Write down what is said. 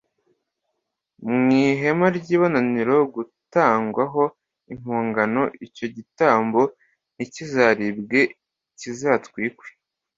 mu ihema ry ibonaniro gutangwa ho impongano icyo gitambo ntikizaribwe kizatwikwe